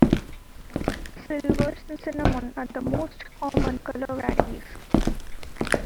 Silvers and cinnamon are the most common colour varieties.